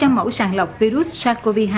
gần ba trăm linh mẫu sàng lọc virus sars cov hai